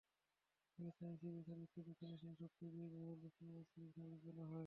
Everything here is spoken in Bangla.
পাকিস্তানে সিভিল সার্ভিসকে দক্ষিণ এশিয়ার সবচেয়ে ব্যয়বহুল সিভিল সার্ভিস বলা হয়।